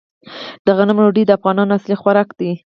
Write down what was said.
د غنمو ډوډۍ د افغانانو اصلي خوراک دی.